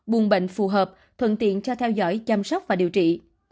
buồn bệnh phù hợp thuận tiện cho theo dõi chăm sóc và điều trị